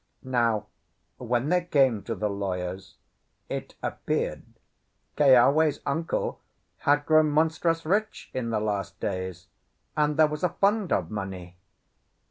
Now, when they came to the lawyer's, it appeared Keawe's uncle had grown monstrous rich in the last days, and there was a fund of money.